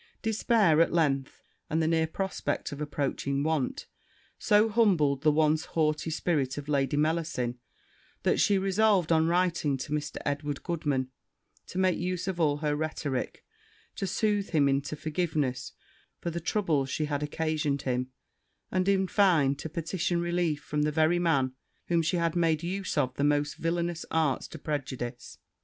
Despair, at length, and the near prospect of approaching want, so humbled the once haughty spirit of Lady Mellasin, that she resolved on writing to Mr. Edward Goodman to make use of all her rhetorick to soothe him into forgiveness for the troubles she had occasioned him and, in fine, to petition relief from the very man whom she had made use of the most villainous arts to prejudice.